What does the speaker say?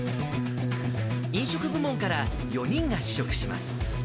飲食部門から４人が試食します。